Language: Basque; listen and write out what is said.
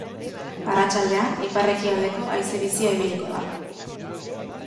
Arratsaldean ipar-ekialdeko haize bizia ibiliko da.